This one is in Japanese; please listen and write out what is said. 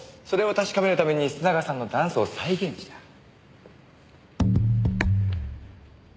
それを確かめるために須永さんのダンスを再現した。